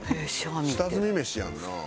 下積みメシやんな？